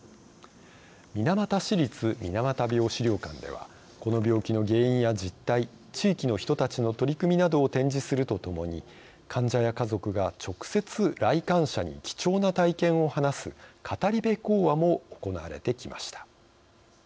水俣市立水俣病資料館ではこの病気の原因や実態地域の人たちの取り組みなどを展示するとともに患者や家族が直接、来館者に貴重な体験を話す語り部講話も行われてきました。